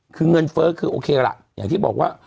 คือเงินเฟ้อคือโอเคล่ะอย่างที่บอกว่า